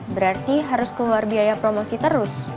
berarti harus keluar biaya promosi terus